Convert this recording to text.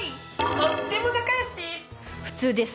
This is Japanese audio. とっても仲よしです。